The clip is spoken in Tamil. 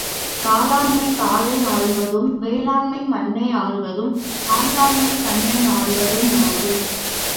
தாளாண்மை தாளை ஆள்வது, வேளாண்மை மண்ணை ஆள்வதும், சான்றாண்மை தன்னை ஆள்வதுமாகும்.